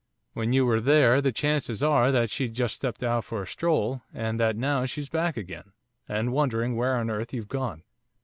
When you were there, the chances are that she'd just stepped out for a stroll, and that now she's back again, and wondering where on earth you've gone!"